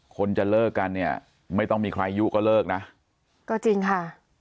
คนจะเลิกกันเนี่ยไม่ต้องมีใครยุก็เลิกนะก็จริงค่ะ